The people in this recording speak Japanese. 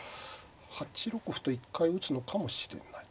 ８六歩と一回打つのかもしれない。